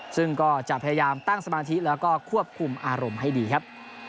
ซึ่งก็จะพยายามตั้งสมาธิแล้วก็ควบคุมอารมณ์ให้ดีครับ